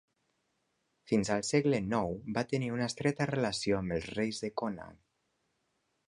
Fins al segle nou va tenir una estreta relació amb els reis de Connacht.